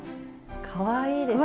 かわいいですね。